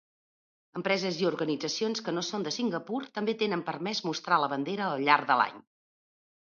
Empreses i organitzacions que no són de Singapur també tenen permès mostrar la bandera al llarg de l'any.